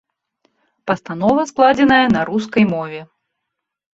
Пастанова складзеная на рускай мове.